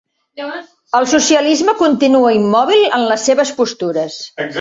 El socialisme continua immòbil en les seves postures